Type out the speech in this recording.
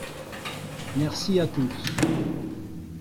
Merci à tous.